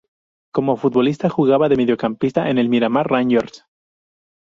Como futbolista jugaba de mediocampista en el Miramar Rangers.